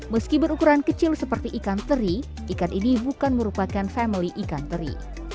meski berukuran kecil seperti ikan teri ikan ini bukan merupakan family ikan teri